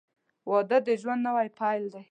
• واده د ژوند نوی پیل دی.